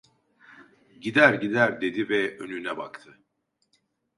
"Gider, gider!" dedi ve önüne baktı.